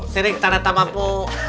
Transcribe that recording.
sirik tanah tamapu